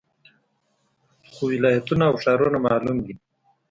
خو ولایتونه او ښارونه معلوم دي